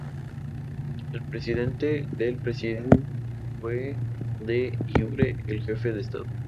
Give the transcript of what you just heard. El Presidente del presidium fue "de iure" el jefe de Estado.